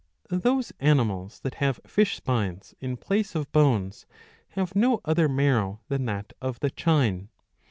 Those animals that have fish spines in place of bones have no other marrow than that of the chine.